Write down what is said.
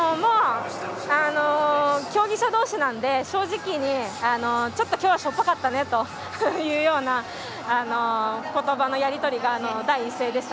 競技者同士なので正直にちょっと今日はしょっぱかったねというような言葉のやり取りが第一声でした。